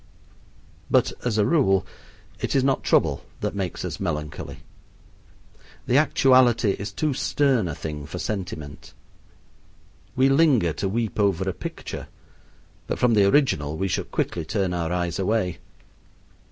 But, as a rule, it is not trouble that makes us melancholy. The actuality is too stern a thing for sentiment. We linger to weep over a picture, but from the original we should quickly turn our eyes away.